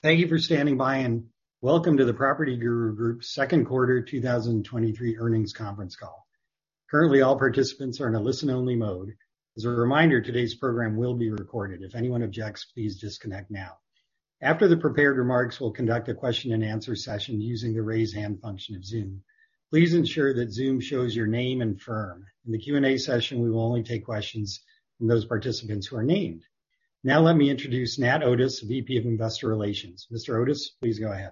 Thank you for standing by, and welcome to the PropertyGuru Group's second quarter 2023 earnings conference call. Currently, all participants are in a listen-only mode. As a reminder, today's program will be recorded. If anyone objects, please disconnect now. After the prepared remarks, we'll conduct a question and answer session using the Raise Hand function of Zoom. Please ensure that Zoom shows your name and firm. In the Q&A session, we will only take questions from those participants who are named. Now let me introduce Nat Otis, VP of Investor Relations. Mr. Otis, please go ahead.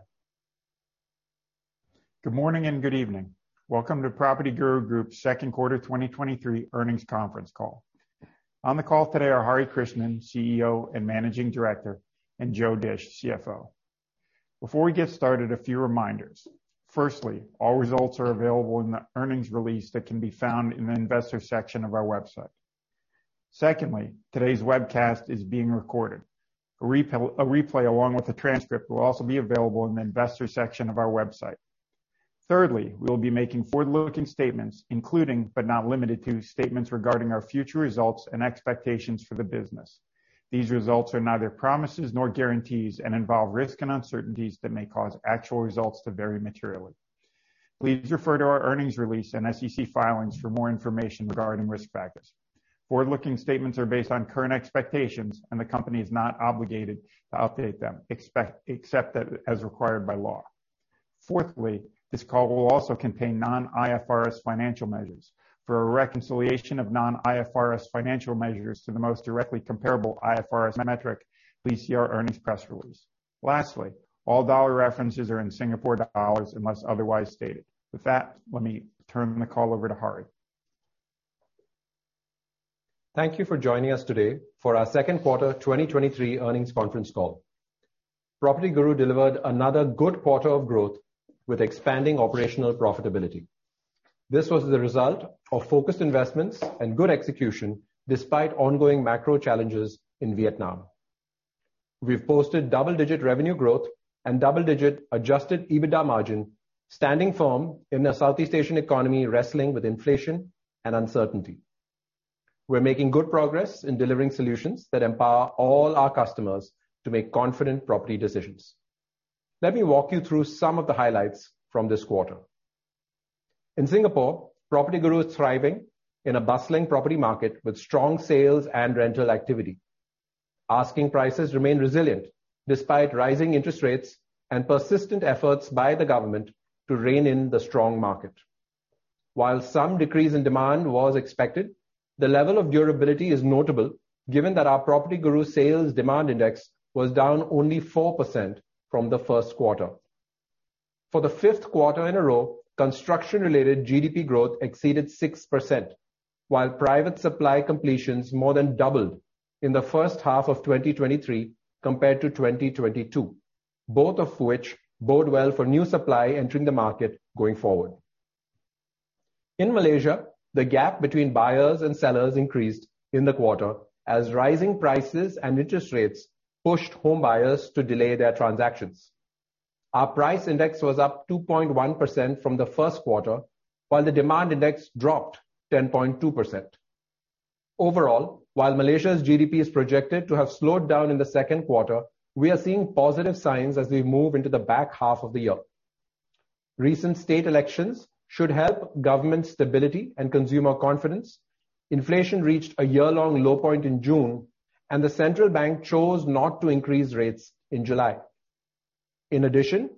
Good morning, and good evening. Welcome to PropertyGuru Group's second quarter 2023 earnings conference call. On the call today are Hari Krishnan, CEO and Managing Director, and Joe Dische, CFO. Before we get started, a few reminders. Firstly, all results are available in the earnings release that can be found in the Investor section of our website. Secondly, today's webcast is being recorded. A replay, along with the transcript, will also be available in the Investor section of our website. Thirdly, we will be making forward-looking statements, including, but not limited to, statements regarding our future results and expectations for the business. These results are neither promises nor guarantees and involve risks and uncertainties that may cause actual results to vary materially. Please refer to our earnings release and SEC filings for more information regarding risk factors. Forward-looking statements are based on current expectations, and the company is not obligated to update them, except as required by law. Fourthly, this call will also contain non-IFRS financial measures. For a reconciliation of non-IFRS financial measures to the most directly comparable IFRS metric, please see our earnings press release. Lastly, all dollar references are in Singapore dollars unless otherwise stated. With that, let me turn the call over to Hari. Thank you for joining us today for our second quarter 2023 earnings conference call. PropertyGuru delivered another good quarter of growth with expanding operational profitability. This was the result of focused investments and good execution despite ongoing macro challenges in Vietnam. We've posted double-digit revenue growth and double-digit Adjusted EBITDA margin, standing firm in a Southeast Asian economy, wrestling with inflation and uncertainty. We're making good progress in delivering solutions that empower all our customers to make confident property decisions. Let me walk you through some of the highlights from this quarter. In Singapore, PropertyGuru is thriving in a bustling property market with strong sales and rental activity. Asking prices remain resilient despite rising interest rates and persistent efforts by the government to rein in the strong market. While some decrease in demand was expected, the level of durability is notable, given that our PropertyGuru Sales Demand Index was down only 4% from the first quarter. For the fifth quarter in a row, construction-related GDP growth exceeded 6%, while private supply completions more than doubled in the first half of 2023 compared to 2022, both of which bode well for new supply entering the market going forward. In Malaysia, the gap between buyers and sellers increased in the quarter as rising prices and interest rates pushed home buyers to delay their transactions. Our price index was up 2.1% from the first quarter, while the demand index dropped 10.2%. Overall, while Malaysia's GDP is projected to have slowed down in the second quarter, we are seeing positive signs as we move into the back half of the year. Recent state elections should help government stability and consumer confidence. Inflation reached a year-long low point in June, and the central bank chose not to increase rates in July. In addition,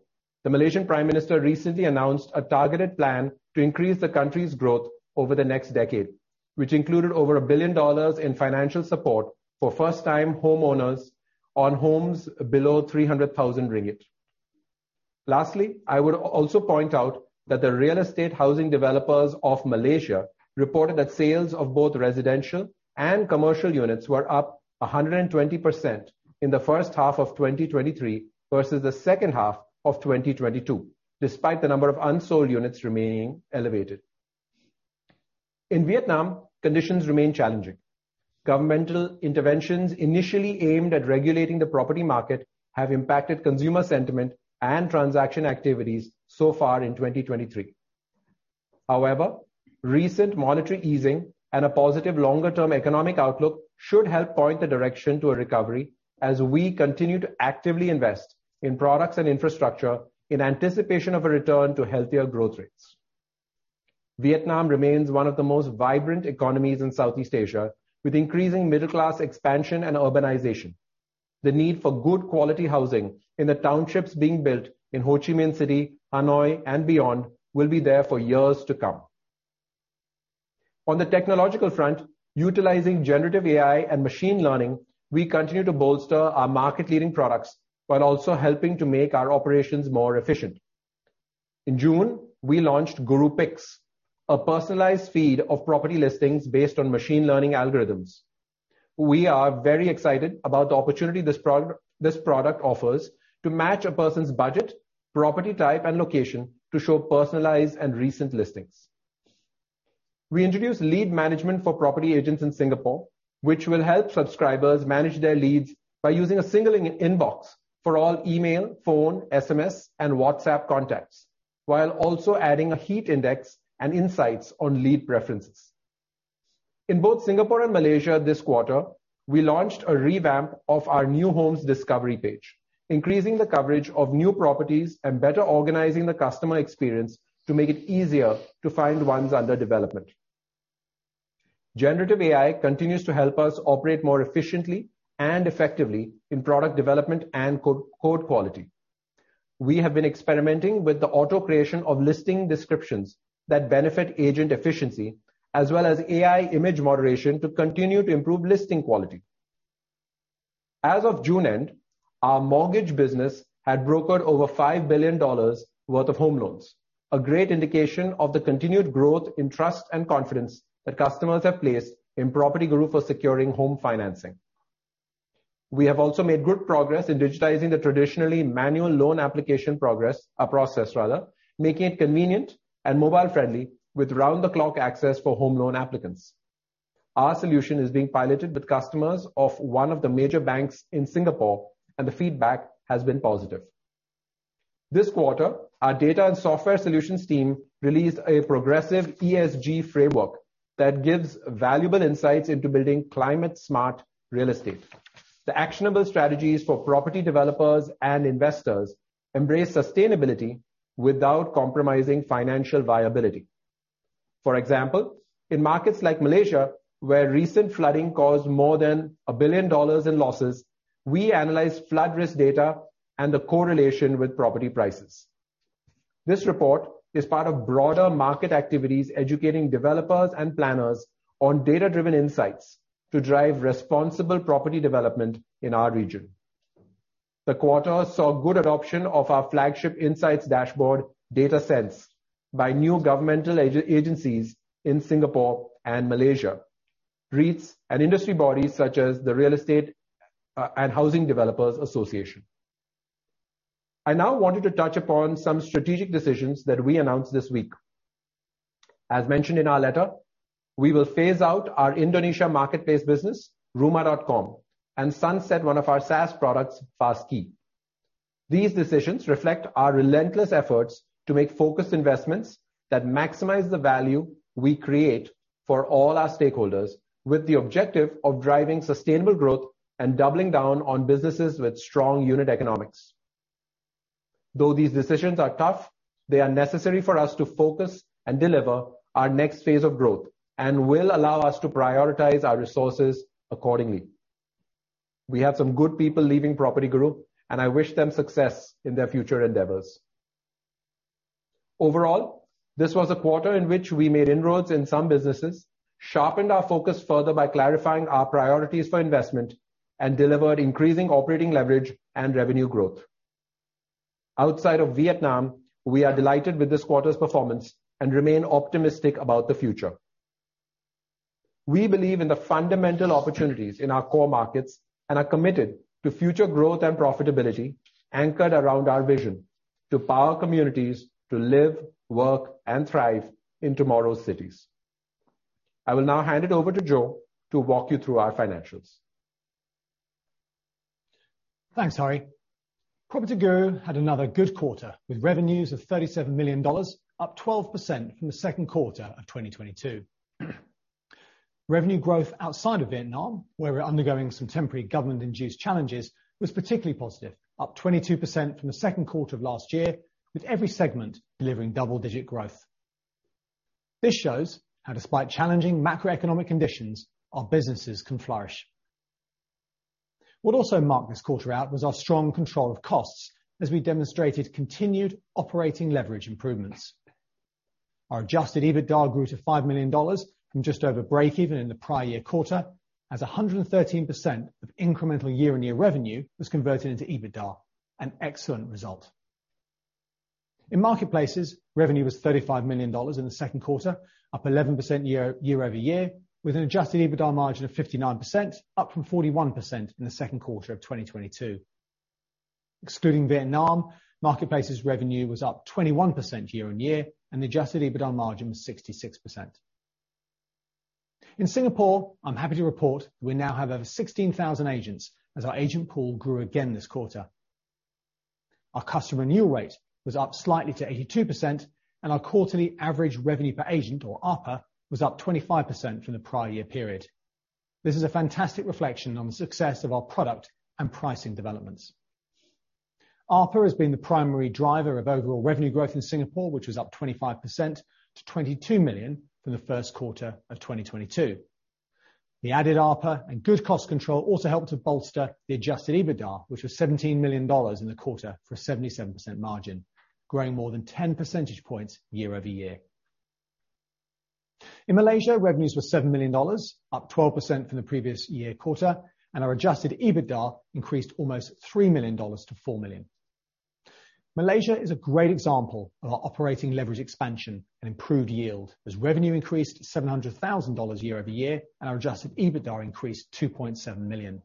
the Malaysian Prime Minister recently announced a targeted plan to increase the country's growth over the next decade, which included over $1 billion in financial support for first-time homeowners on homes below 300,000 ringgit. Lastly, I would also point out that the Real Estate and Housing Developers' Association of Malaysia reported that sales of both residential and commercial units were up 120% in the first half of 2023 versus the second half of 2022, despite the number of unsold units remaining elevated. In Vietnam, conditions remain challenging. Governmental interventions initially aimed at regulating the property market have impacted consumer sentiment and transaction activities so far in 2023. However, recent monetary easing and a positive longer-term economic outlook should help point the direction to a recovery as we continue to actively invest in products and infrastructure in anticipation of a return to healthier growth rates. Vietnam remains one of the most vibrant economies in Southeast Asia, with increasing middle class expansion and urbanization. The need for good quality housing in the townships being built in Ho Chi Minh City, Hanoi and beyond, will be there for years to come. On the technological front, utilizing generative AI and machine learning, we continue to bolster our market-leading products, while also helping to make our operations more efficient. In June, we launched GuruPicks, a personalized feed of property listings based on machine learning algorithms. We are very excited about the opportunity this product offers to match a person's budget, property type, and location to show personalized and recent listings. We introduced lead management for property agents in Singapore, which will help subscribers manage their leads by using a single inbox for all email, phone, SMS, and WhatsApp contacts, while also adding a heat index and insights on lead preferences. In both Singapore and Malaysia this quarter, we launched a revamp of our new homes discovery page, increasing the coverage of new properties and better organizing the customer experience to make it easier to find ones under development. Generative AI continues to help us operate more efficiently and effectively in product development and code quality. We have been experimenting with the auto creation of listing descriptions that benefit agent efficiency, as well as AI image moderation to continue to improve listing quality. As of June end, our mortgage business had brokered over 5 billion dollars worth of home loans, a great indication of the continued growth in trust and confidence that customers have placed in PropertyGuru for securing home financing. We have also made good progress in digitizing the traditionally manual loan application process, rather, making it convenient and mobile-friendly, with round-the-clock access for home loan applicants. Our solution is being piloted with customers of one of the major banks in Singapore, and the feedback has been positive. This quarter, our data and software solutions team released a progressive ESG framework that gives valuable insights into building climate-smart real estate. The actionable strategies for property developers and investors embrace sustainability without compromising financial viability. For example, in markets like Malaysia, where recent flooding caused more than $1 billion in losses, we analyzed flood risk data and the correlation with property prices. This report is part of broader market activities, educating developers and planners on data-driven insights to drive responsible property development in our region. The quarter saw good adoption of our flagship insights dashboard DataSense by new governmental agencies in Singapore and Malaysia, REITs and industry bodies such as the Real Estate and Housing Developers Association. I now wanted to touch upon some strategic decisions that we announced this week. As mentioned in our letter, we will phase out our Indonesia marketplace business, Rumah.com, and sunset one of our SaaS products, FastKey. These decisions reflect our relentless efforts to make focused investments that maximize the value we create for all our stakeholders, with the objective of driving sustainable growth and doubling down on businesses with strong unit economics. Though these decisions are tough, they are necessary for us to focus and deliver our next phase of growth and will allow us to prioritize our resources accordingly. We have some good people leaving PropertyGuru, and I wish them success in their future endeavors. Overall, this was a quarter in which we made inroads in some businesses, sharpened our focus further by clarifying our priorities for investment, and delivered increasing operating leverage and revenue growth. Outside of Vietnam, we are delighted with this quarter's performance and remain optimistic about the future. We believe in the fundamental opportunities in our core markets and are committed to future growth and profitability, anchored around our vision to power communities to live, work, and thrive in tomorrow's cities. I will now hand it over to Joe to walk you through our financials. Thanks, Hari. PropertyGuru had another good quarter, with revenues of $37 million, up 12% from the second quarter of 2022. Revenue growth outside of Vietnam, where we're undergoing some temporary government-induced challenges, was particularly positive, up 22% from the second quarter of last year, with every segment delivering double-digit growth. This shows how, despite challenging macroeconomic conditions, our businesses can flourish. What also marked this quarter out was our strong control of costs, as we demonstrated continued operating leverage improvements. Our adjusted EBITDA grew to $5 million from just over breakeven in the prior year quarter, as 113% of incremental year-on-year revenue was converted into EBITDA, an excellent result. In marketplaces, revenue was $35 million in the second quarter, up 11% year-over-year, with an adjusted EBITDA margin of 59%, up from 41% in the second quarter of 2022. Excluding Vietnam, marketplaces revenue was up 21% year-on-year, and adjusted EBITDA margin was 66%. In Singapore, I'm happy to report we now have over 16,000 agents, as our agent pool grew again this quarter. Our customer renewal rate was up slightly to 82%, and our quarterly average revenue per agent, or ARPA, was up 25% from the prior year period. This is a fantastic reflection on the success of our product and pricing developments. ARPA has been the primary driver of overall revenue growth in Singapore, which was up 25% to $22 million from the first quarter of 2022. The added ARPA and good cost control also helped to bolster the Adjusted EBITDA, which was $17 million in the quarter for a 77% margin, growing more than 10 percentage points year-over-year. In Malaysia, revenues were $7 million, up 12% from the previous year quarter, and our Adjusted EBITDA increased almost $3 million to $4 million. Malaysia is a great example of our operating leverage expansion and improved yield, as revenue increased $700,000 year-over-year, and our Adjusted EBITDA increased $2.7 million.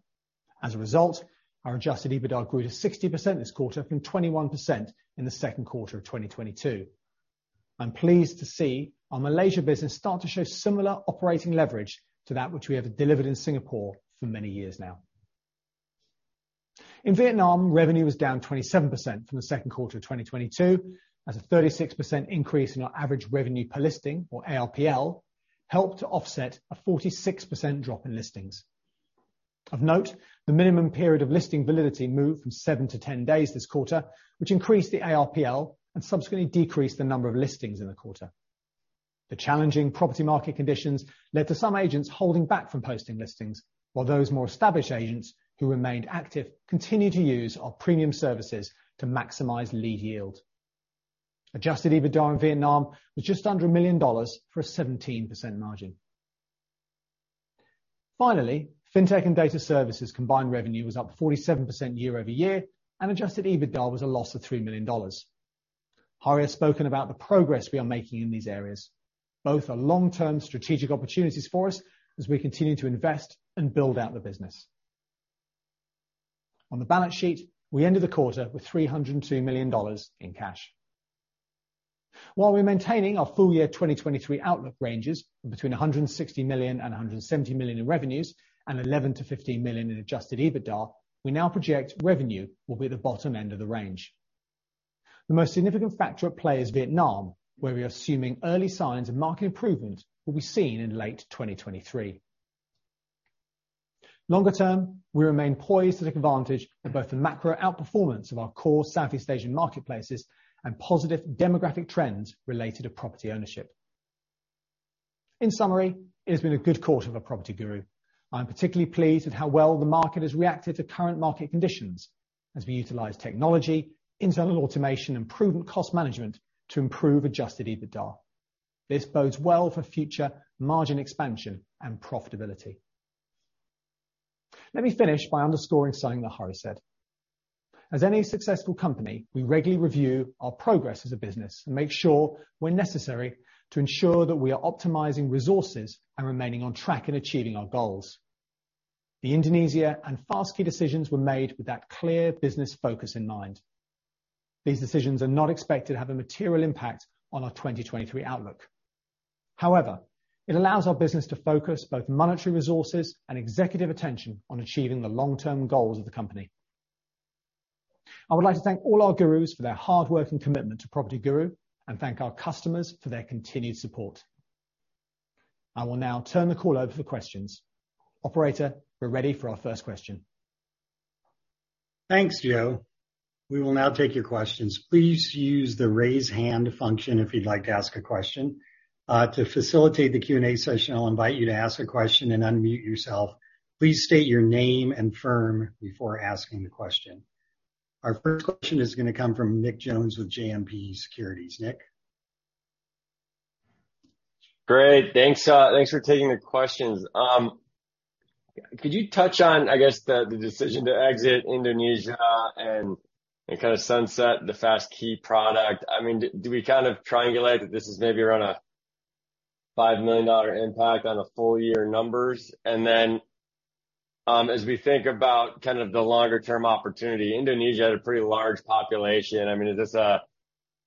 As a result, our Adjusted EBITDA grew to 60% this quarter from 21% in the second quarter of 2022. I'm pleased to see our Malaysia business start to show similar operating leverage to that which we have delivered in Singapore for many years now. In Vietnam, revenue was down 27% from the second quarter of 2022, as a 36% increase in our average revenue per listing, or ARPL, helped to offset a 46% drop in listings. Of note, the minimum period of listing validity moved from 7 to 10 days this quarter, which increased the ARPL and subsequently decreased the number of listings in the quarter. The challenging property market conditions led to some agents holding back from posting listings, while those more established agents who remained active continued to use our premium services to maximize lead yield. Adjusted EBITDA in Vietnam was just under $1 million for a 17% margin. Finally, fintech and data services combined revenue was up 47% year-over-year, and adjusted EBITDA was a loss of $3 million. Hari has spoken about the progress we are making in these areas. Both are long-term strategic opportunities for us as we continue to invest and build out the business. On the balance sheet, we ended the quarter with $302 million in cash. While we're maintaining our full year 2023 outlook ranges between 160 million and 170 million in revenues and 11-15 million in adjusted EBITDA, we now project revenue will be at the bottom end of the range. The most significant factor at play is Vietnam, where we are assuming early signs of market improvement will be seen in late 2023. Longer term, we remain poised to take advantage of both the macro outperformance of our core Southeast Asian marketplaces and positive demographic trends related to property ownership. In summary, it has been a good quarter for PropertyGuru. I'm particularly pleased at how well the market has reacted to current market conditions as we utilize technology, internal automation, and prudent cost management to improve Adjusted EBITDA. This bodes well for future margin expansion and profitability. Let me finish by underscoring something that Hari said. As any successful company, we regularly review our progress as a business and make sure when necessary, to ensure that we are optimizing resources and remaining on track in achieving our goals. The Indonesia and FastKey decisions were made with that clear business focus in mind. These decisions are not expected to have a material impact on our 2023 outlook. However, it allows our business to focus both monetary resources and executive attention on achieving the long-term goals of the company. I would like to thank all our gurus for their hard work and commitment to PropertyGuru, and thank our customers for their continued support. I will now turn the call over for questions. Operator, we're ready for our first question. Thanks, Joe. We will now take your questions. Please use the Raise Hand function if you'd like to ask a question. To facilitate the Q&A session, I'll invite you to ask a question and unmute yourself. Please state your name and firm before asking the question. Our first question is gonna come from Nick Jones with JMP Securities. Nick? Great! Thanks, thanks for taking the questions. Could you touch on, I guess, the decision to exit Indonesia and kind of sunset the FastKey product? I mean, do we kind of triangulate that this is maybe around a $5 million impact on the full year numbers? And then, as we think about kind of the longer term opportunity, Indonesia had a pretty large population. I mean, is this a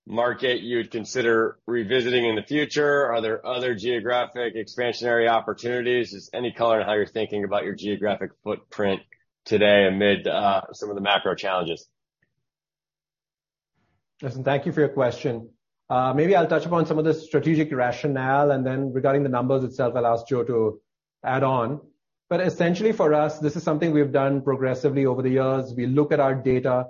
market you'd consider revisiting in the future? Are there other geographic expansionary opportunities? Just any color on how you're thinking about your geographic footprint today amid some of the macro challenges? Listen, thank you for your question. Maybe I'll touch upon some of the strategic rationale, and then regarding the numbers itself, I'll ask Joe to add on. But essentially for us, this is something we've done progressively over the years. We look at our data.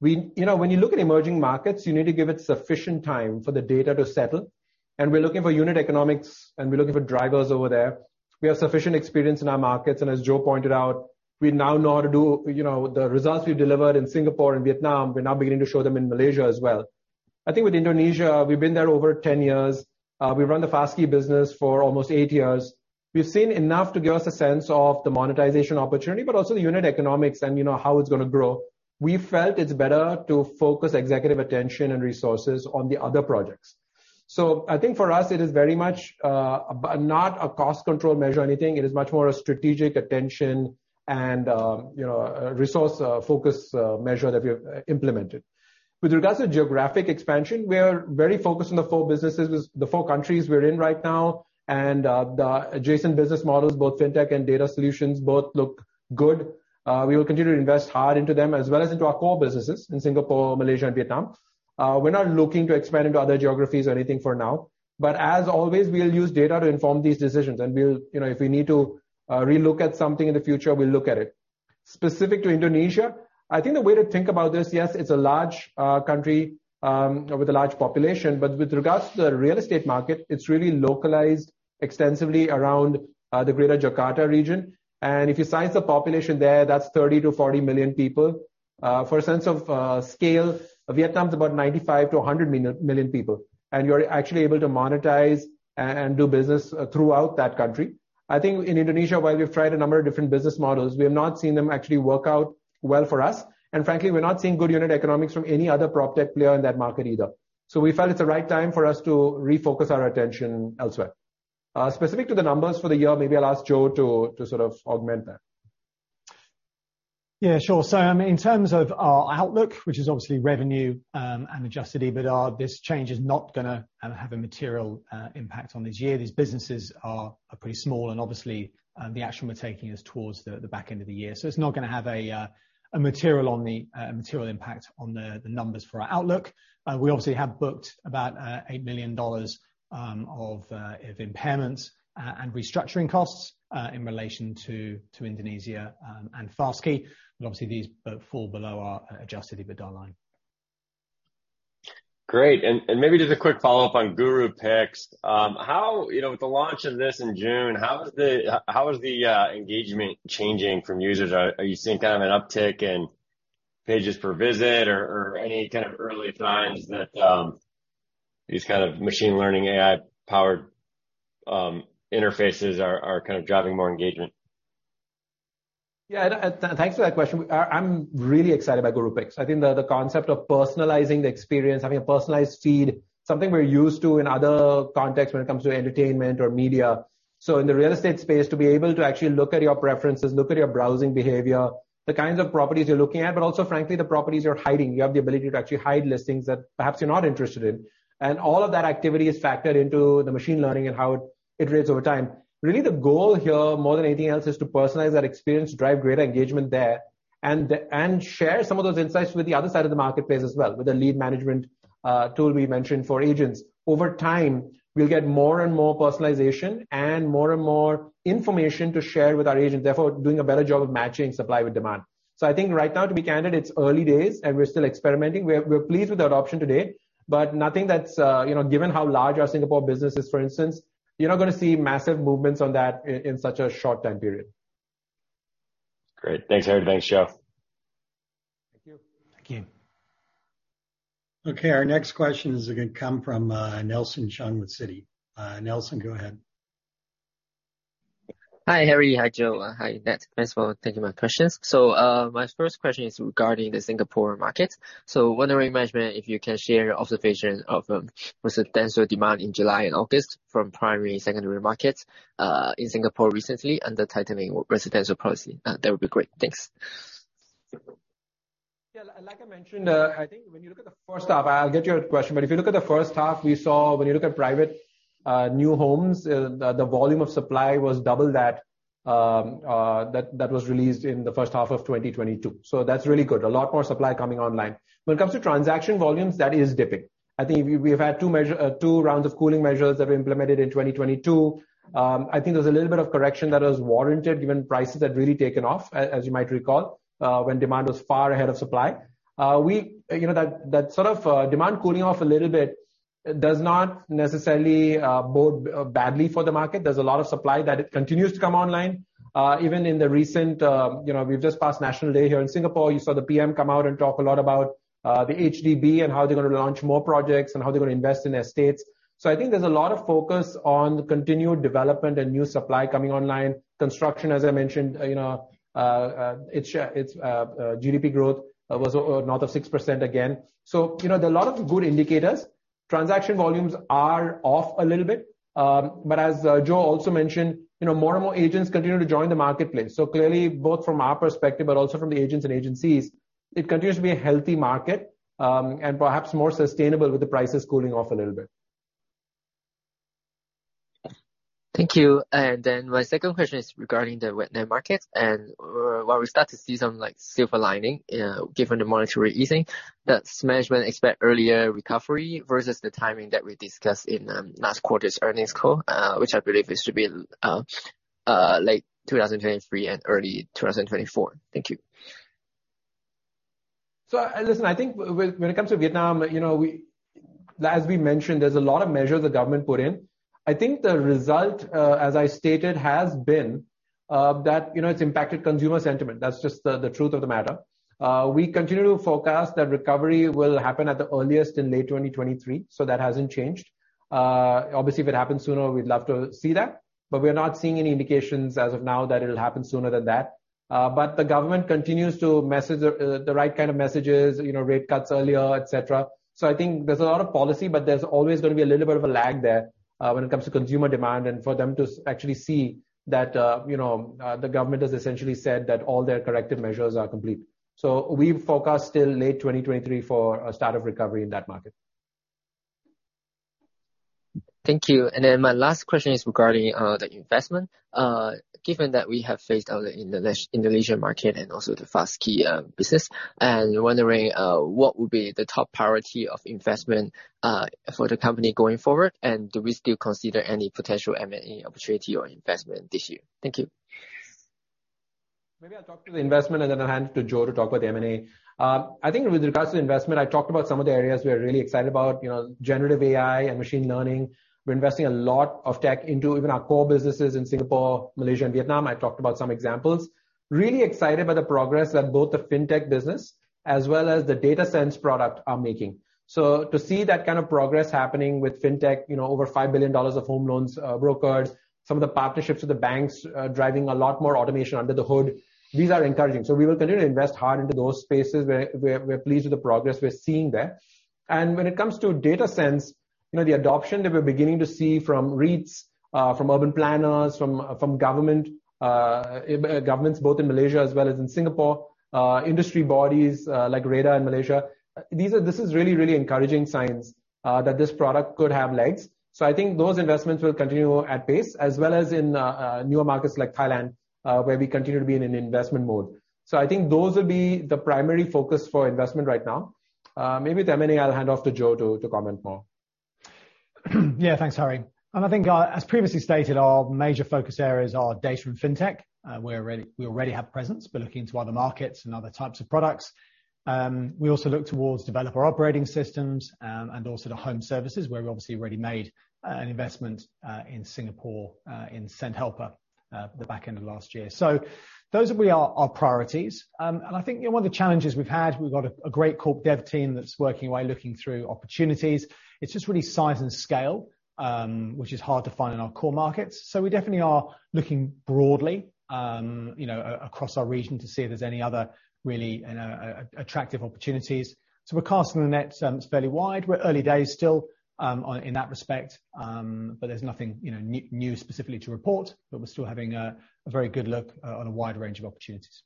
You know, when you look at emerging markets, you need to give it sufficient time for the data to settle, and we're looking for unit economics, and we're looking for drivers over there. We have sufficient experience in our markets, and as Joe pointed out, we now know how to do, you know, the results we've delivered in Singapore and Vietnam, we're now beginning to show them in Malaysia as well. I think with Indonesia, we've been there over 10 years. We've run the FastKey business for almost 8 years. We've seen enough to give us a sense of the monetization opportunity, but also the unit economics and, you know, how it's gonna grow. We felt it's better to focus executive attention and resources on the other projects. So I think for us, it is very much not a cost control measure or anything. It is much more a strategic attention and, you know, a resource focus measure that we have implemented. With regards to geographic expansion, we are very focused on the four businesses, the four countries we're in right now, and the adjacent business models, both fintech and data solutions, both look good. We will continue to invest hard into them as well as into our core businesses in Singapore, Malaysia, and Vietnam. We're not looking to expand into other geographies or anything for now, but as always, we'll use data to inform these decisions, and we'll... You know, if we need to, relook at something in the future, we'll look at it. Specific to Indonesia, I think the way to think about this, yes, it's a large country with a large population, but with regards to the real estate market, it's really localized extensively around the Greater Jakarta region. If you size the population there, that's 30-40 million people. For a sense of scale, Vietnam's about 95-100 million people, and you're actually able to monetize and do business throughout that country. I think in Indonesia, while we've tried a number of different business models, we have not seen them actually work out well for us. Frankly, we're not seeing good unit economics from any other PropTech player in that market either. We felt it's the right time for us to refocus our attention elsewhere. Specific to the numbers for the year, maybe I'll ask Joe to, to sort of augment that. ... Yeah, sure. So, in terms of our outlook, which is obviously revenue and adjusted EBITDA, this change is not gonna have a material impact on this year. These businesses are pretty small, and obviously, the action we're taking is towards the back end of the year. So it's not gonna have a material impact on the numbers for our outlook. We obviously have booked about $8 million of impairments and restructuring costs in relation to Indonesia and FastKey. And obviously, these fall below our adjusted EBITDA line. Great. And maybe just a quick follow-up on GuruPicks. How, you know, with the launch of this in June, how is the engagement changing from users? Are you seeing kind of an uptick in pages per visit or any kind of early signs that these kind of machine learning, AI-powered interfaces are kind of driving more engagement? Yeah, thanks for that question. I'm really excited about GuruPicks. I think the concept of personalizing the experience, having a personalized feed, something we're used to in other contexts when it comes to entertainment or media. So in the real estate space, to be able to actually look at your preferences, look at your browsing behavior, the kinds of properties you're looking at, but also frankly, the properties you're hiding. You have the ability to actually hide listings that perhaps you're not interested in. And all of that activity is factored into the machine learning and how it iterates over time. Really, the goal here, more than anything else, is to personalize that experience, drive greater engagement there, and share some of those insights with the other side of the marketplace as well, with the lead management tool we mentioned for agents. Over time, we'll get more and more personalization and more and more information to share with our agents, therefore doing a better job of matching supply with demand. So I think right now, to be candid, it's early days, and we're still experimenting. We're pleased with our adoption today, but nothing that's, you know, given how large our Singapore business is, for instance, you're not gonna see massive movements on that in such a short time period. Great. Thanks, Hari. Thanks, Joe. Thank you. Thank you. Okay, our next question is gonna come from Nelson Cheung with Citi. Nelson, go ahead. Hi, Hari. Hi, Joe. Hi, Nat. Thanks for taking my questions. So, my first question is regarding the Singapore market. Wondering, management, if you can share your observation of residential demand in July and August from primary and secondary markets in Singapore recently, under tightening residential policy? That would be great. Thanks. Yeah, like I mentioned, I think when you look at the first half... I'll get your question, but if you look at the first half, we saw when you look at private, new homes, the volume of supply was double that that was released in the first half of 2022. So that's really good. A lot more supply coming online. When it comes to transaction volumes, that is dipping. I think we've had two rounds of cooling measures that were implemented in 2022. I think there's a little bit of correction that was warranted, given prices had really taken off, as you might recall, when demand was far ahead of supply. You know, that, that sort of demand cooling off a little bit does not necessarily bode badly for the market. There's a lot of supply that it continues to come online. Even in the recent, you know, we've just passed National Day here in Singapore. You saw the PM come out and talk a lot about the HDB and how they're gonna launch more projects and how they're gonna invest in estates. So I think there's a lot of focus on continued development and new supply coming online. Construction, as I mentioned, you know, its GDP growth was north of 6% again. So, you know, there are a lot of good indicators. Transaction volumes are off a little bit, but as Joe also mentioned, you know, more and more agents continue to join the marketplace. So clearly, both from our perspective, but also from the agents and agencies, it continues to be a healthy market, and perhaps more sustainable with the prices cooling off a little bit. Thank you. Then my second question is regarding the Vietnam market. While we start to see some, like, silver lining, given the monetary easing, does management expect earlier recovery versus the timing that we discussed in last quarter's earnings call? Which I believe is to be late 2023 and early 2024. Thank you. So listen, I think when it comes to Vietnam, you know, we, as we mentioned, there's a lot of measures the government put in. I think the result, as I stated, has been that, you know, it's impacted consumer sentiment. That's just the, the truth of the matter. We continue to forecast that recovery will happen at the earliest in late 2023, so that hasn't changed. Obviously, if it happens sooner, we'd love to see that, but we're not seeing any indications as of now that it'll happen sooner than that. But the government continues to message the, the right kind of messages, you know, rate cuts earlier, et cetera. So I think there's a lot of policy, but there's always gonna be a little bit of a lag there, when it comes to consumer demand, and for them to actually see that, you know, the government has essentially said that all their corrective measures are complete. So we forecast till late 2023 for a start of recovery in that market. Thank you. And then my last question is regarding the investment. Given that we have phased out the Indonesia market and also the FastKey business, and we're wondering what would be the top priority of investment for the company going forward? And do we still consider any potential M&A opportunity or investment this year? Thank you. Maybe I'll talk to the investment, and then I'll hand it to Joe to talk about the M&A. I think with regards to investment, I talked about some of the areas we are really excited about, you know, generative AI and machine learning. We're investing a lot of tech into even our core businesses in Singapore, Malaysia, and Vietnam. I talked about some examples. Really excited about the progress that both the fintech business as well as the DataSense product are making. So to see that kind of progress happening with fintech, you know, over $5 billion of home loans, brokers, some of the partnerships with the banks, driving a lot more automation under the hood, these are encouraging. So we will continue to invest hard into those spaces, we're pleased with the progress we're seeing there. When it comes to DataSense, you know, the adoption that we're beginning to see from REITs, from urban planners, from governments, both in Malaysia as well as in Singapore, industry bodies like REHDA in Malaysia, this is really, really encouraging signs that this product could have legs. So I think those investments will continue at pace as well as in newer markets like Thailand, where we continue to be in an investment mode. So I think those will be the primary focus for investment right now. Maybe then I'll hand off to Joe to comment more. Yeah, thanks, Hari. And I think, as previously stated, our major focus areas are data and fintech. We already, we already have a presence, but looking into other markets and other types of products. We also look towards developer operating systems, and also to home services, where we've obviously already made, an investment, in Singapore, in Sendhelper, the back end of last year. So those will be our, our priorities. And I think, you know, one of the challenges we've had, we've got a great corp dev team that's working away, looking through opportunities. It's just really size and scale, which is hard to find in our core markets. So we definitely are looking broadly, you know, across our region to see if there's any other really, you know, attractive opportunities. So we're casting the net. It's fairly wide. We're early days still, in that respect, but there's nothing, you know, new specifically to report, but we're still having a very good look on a wide range of opportunities.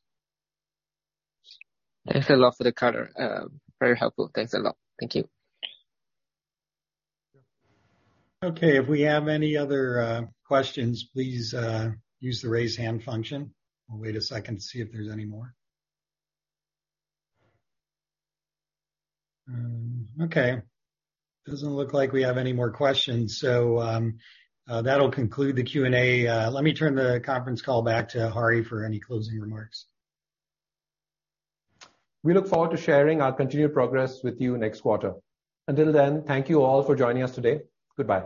Thanks a lot for the color. Very helpful. Thanks a lot. Thank you. Okay. If we have any other questions, please use the Raise Hand function. We'll wait a second to see if there's any more. Okay, doesn't look like we have any more questions, so that'll conclude the Q&A. Let me turn the conference call back to Hari for any closing remarks. We look forward to sharing our continued progress with you next quarter. Until then, thank you all for joining us today. Goodbye.